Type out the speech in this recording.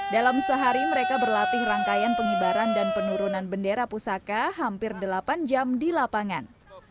dalam sehari mereka berlatih rangkaian pengibaran dan penurunan bendera pusaka hampir delapan jam di lapangan